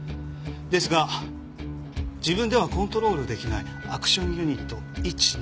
ですが自分ではコントロール出来ないアクションユニット１２４。